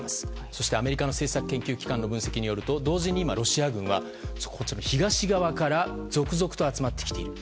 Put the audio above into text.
そして、アメリカの政策研究機関の分析によると同時に今、ロシア軍は東側から続々と集まってきている。